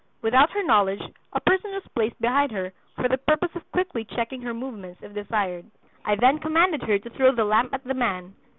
Without her knowledge a person was placed behind her for the purpose of quickly checking her movements, if desired. I then commanded her to throw the lamp at the man.